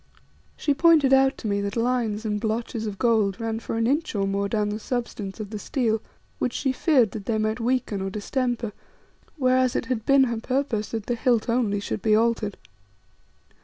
She pointed out to me that lines and blotches of gold ran for an inch or more down the substance of the steel, which she feared that they might weaken or distemper, whereas it had been her purpose that the hilt only should be altered.